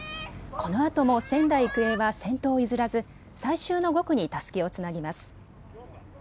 このあとも仙台育英は先頭を譲らず最終の５区にたすきをつなぎます。